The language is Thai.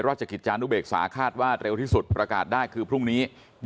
ราชกิจจานุเบกษาคาดว่าเร็วที่สุดประกาศได้คือพรุ่งนี้